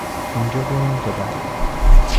اینجا بمان تا برگردم.